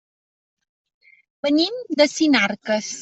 Venim de Sinarques.